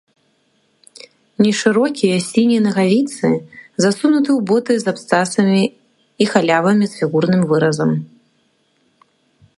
Нешырокія сінія нагавіцы засунуты ў боты з абцасамі і халявамі з фігурным выразам.